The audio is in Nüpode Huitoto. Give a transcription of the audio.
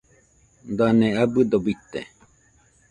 Dane abɨdo bite